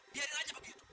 biarin aja begitu